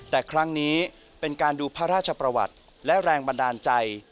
แต่ครั้งนี้เป็นการดูพระราชประวัติและแรงบันดาลใจ